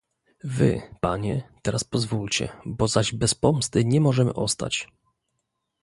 "Wy, panie, teraz pozwólcie, bo zaś bez pomsty nie możemy ostać."